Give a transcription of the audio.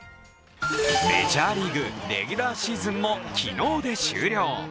メジャーリーグ、レギュラーシーズンも昨日で終了。